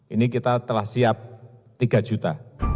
ini kita telah siap tiga juta